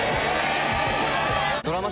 ドラマ